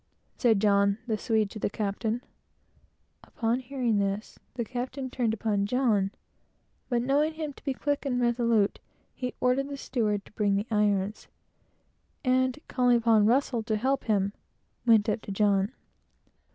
said John, the Swede, to the captain. Upon hearing this, the captain turned upon him, but knowing him to be quick and resolute, he ordered the steward to bring the irons, and calling upon Russell to help him, went up to John.